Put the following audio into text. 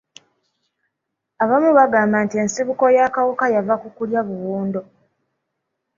Abamu bagamba nti ensibuko y'akawuka yava ku kulya buwundo.